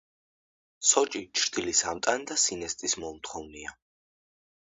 სოჭი ჩრდილის ამტანი და სინესტის მომთხოვნია.